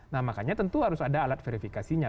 nah makanya tentu harus ada alat verifikasinya